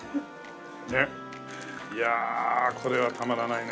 いやあこれはたまらないね。